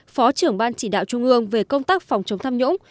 phó trưởng ban chỉ đạo trung ương về công tác phòng chống tham nhũng